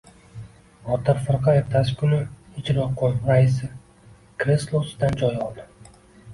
Botir firqa ertasi kuni ijroqo‘m raisi kreslosidan joy oldi.